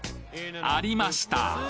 ありました